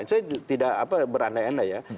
saya tidak berandai andai ya